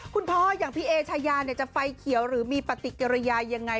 พ่ออย่างพี่เอชายาจะไฟเขียวหรือมีปฏิกิริยายังไง